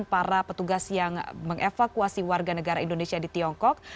para petugas yang mengevakuasi warga negara indonesia di tiongkok